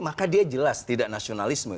maka dia jelas tidak nasionalisme